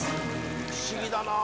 不思議だなあ。